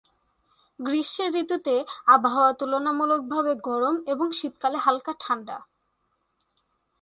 গ্রীষ্মের ঋতুতে আবহাওয়া তুলনামূলকভাবে গরম এবং শীতকালে হালকা ঠান্ডা।